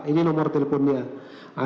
ini nomor telponnya